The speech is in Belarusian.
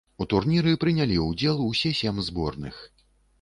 У турніры прынялі ўдзел усе сем зборных.